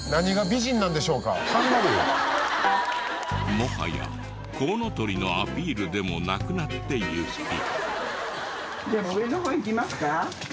もはやコウノトリのアピールでもなくなっていき。